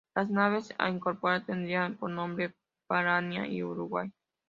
Las naves a incorporar tendrían por nombre "Paraná" y "Uruguay".